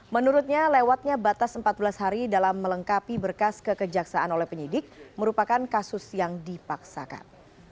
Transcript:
menurutnya lewatnya batas empat belas hari dalam melengkapi berkas kekejaksaan oleh penyidik merupakan kasus yang dipaksakan